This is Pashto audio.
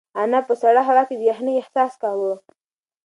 انا په سړه هوا کې د یخنۍ احساس کاوه.